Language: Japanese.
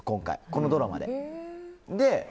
このドラマで。